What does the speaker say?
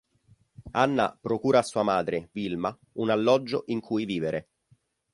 Anna procura a sua madre, Wilma, un alloggio in cui vivere.